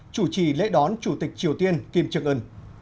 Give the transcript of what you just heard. chủ trì lễ đón chủ tịch triều tiên kim trương ưn